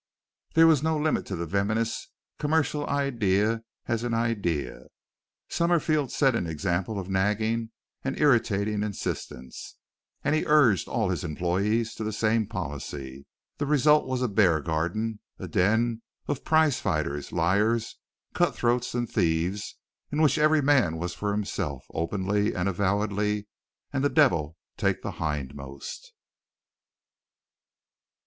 There was no limit to the venomous commercial idea as an idea. Summerfield set an example of nagging and irritating insistence, and he urged all his employees to the same policy. The result was a bear garden, a den of prize fighters, liars, cutthroats and thieves in which every man was for himself openly and avowedly and the devil take the hindmost.